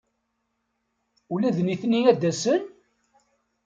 Ula d nitni ad d-asen?